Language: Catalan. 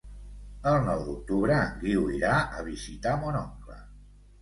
El nou d'octubre en Guiu irà a visitar mon oncle.